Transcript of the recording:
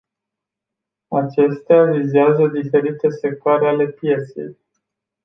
Acestea vizează diferite sectoare ale pieței.